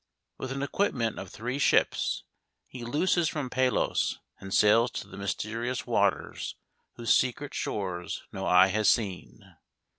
With an equipment of three ships he looses from Palos and sails to the mysterious waters whose secret shores no eye has seen.